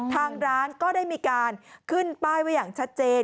ทางร้านก็ได้มีการขึ้นป้ายไว้อย่างชัดเจน